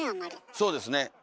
そうですね。